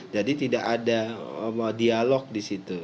jadi tidak ada dialog di situ